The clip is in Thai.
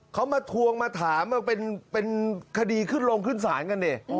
เขามาทวงมาถามเป็นคดีขึ้นลงขึ้นศาลกันดิ